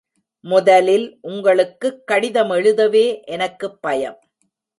முதலில் உங்களுக்குக் கடிதம் எழுதவே எனக்கு பயம்.